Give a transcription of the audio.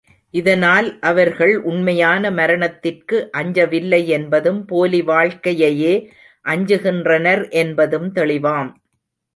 இதனால், அவர்கள் உண்மையான மரணத்திற்கு அஞ்சவில்லை என்பதும், போலி வாழ்க்கையையே அஞ்சுகின்றனர் என்பதும் தெளிவாம்.